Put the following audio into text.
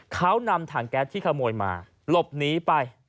เขานำถังแก๊สที่ขโมยมาหลบหนีไป